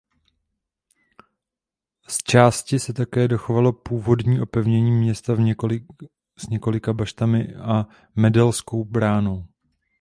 Z části se také dochovalo původnění opevnění města s několika baštami a Medelskou bránou.